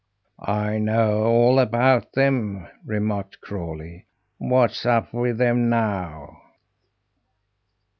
"I know all about them," remarked Crawlie. "What's up with them now?"